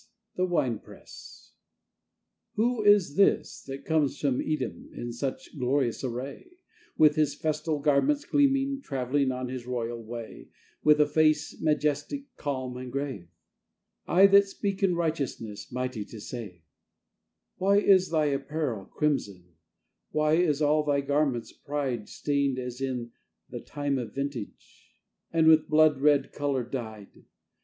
THE WINE PRESSWho is this that comes from EdomIn such glorious array, With his festal garments gleaming, Travelling on his royal wayWith a face majestic, calm and grave?I that speak in righteousness, mighty to save. Why is thy apparel crimson, Why is all thy garments' prideStained as in the time of vintageAnd with blood red color dyed?